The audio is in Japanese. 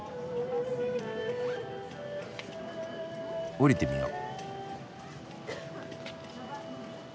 下りてみよう。